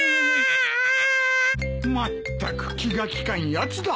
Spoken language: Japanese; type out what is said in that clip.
まったく気が利かんやつだ。